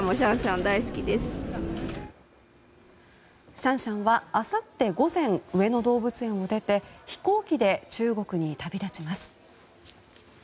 シャンシャンはあさって午前上野動物園を出て飛行機で中国に旅立ちます。